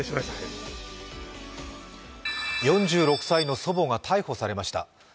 ４６歳の祖母が逮捕されました。